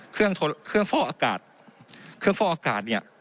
เครื่องเครื่องฟ่ออากาศเครื่องฟ่ออากาศเนี่ย